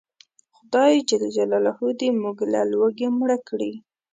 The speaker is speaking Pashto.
خدای ج دې موږ له لوږې مړه کړي